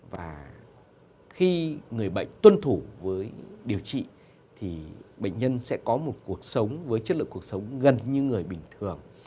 và khi người bệnh tuân thủ với điều trị thì bệnh nhân sẽ có một cuộc sống với chất lượng cuộc sống gần như người bình thường